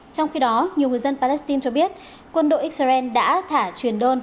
trong khi đó nhiều người dân palestine cho biết quân đội x bảy đã thả truyền đơn